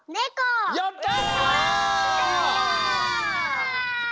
やった！